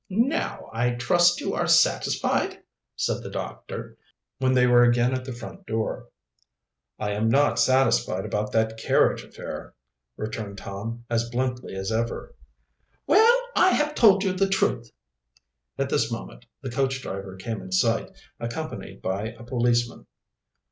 "Now I trust you are satisfied," said the doctor, when they were again at the front door. "I am not satisfied about that carriage affair," returned Tom, as bluntly as ever. "Well, I have told you the truth." At this moment the coach driver came in sight, accompanied by a policeman.